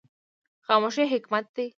خاموشي حکمت دی